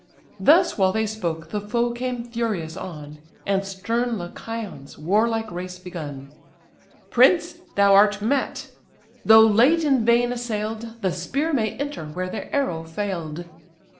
Thus while they spoke, the foe came furious on, And stern Lycaon's warlike race begun: "Prince, thou art met. Though late in vain assail'd, The spear may enter where the arrow fail'd."